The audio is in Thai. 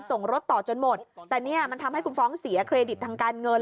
ส่งรถต่อจนหมดแต่เนี่ยมันทำให้คุณฟ้องเสียเครดิตทางการเงิน